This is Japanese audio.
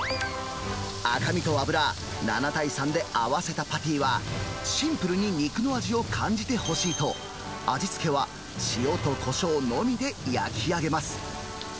赤身と油７対３で合わせたパティは、シンプルに肉の味を感じてほしいと、味付けは塩とこしょうのみで焼き上げます。